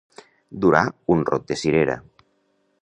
Durar un rot de cirera.